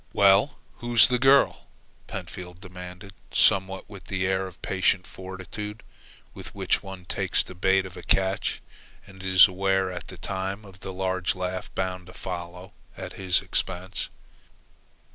"Well, and who's the girl?" Pentfield demanded, somewhat with the air of patient fortitude with which one takes the bait of a catch and is aware at the time of the large laugh bound to follow at his expense.